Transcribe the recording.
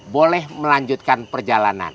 boleh melanjutkan perjalanan